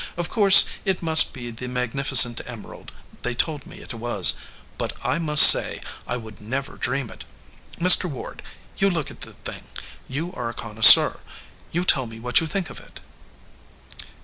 Of course it must be the mag nificent emerald they told me it was, but I must say I would never dream it. Mr. Ward, you look at the thing. You are a connoisseur. You tell me what you think of it."